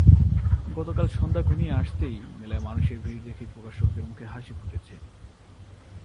গতকাল সন্ধ্যা ঘনিয়ে আসতেই মেলায় মানুষের ভিড় দেখে প্রকাশকদের মুখে হাসি ফুটেছে।